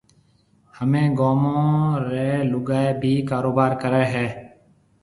ھميَ گومون رَي لوگائيَ ڀِي ڪاروبار ڪرَي ھيََََ